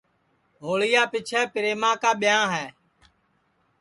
ہوݪی پیچھیں پریما کا ٻیاں ہے